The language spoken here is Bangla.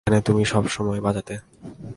যেখানে তুমি সবসময় বাজাতে।